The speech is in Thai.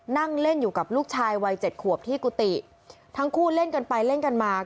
นั่งเล่นอยู่กับลูกชายวัยเจ็ดขวบที่กุฏิทั้งคู่เล่นกันไปเล่นกันมา